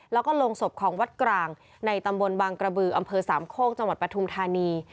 แล้วก็ลงศพของวัดกลางในตำบลบางกระบืออำเภอสามโคกจังหวัดปฐุมธานี